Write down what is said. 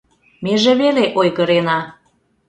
Меже веле ойгырена